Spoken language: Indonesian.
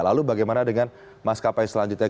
lalu bagaimana dengan maskapai selanjutnya